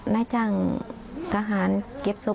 อ๋อคือวันที่ไหนครับ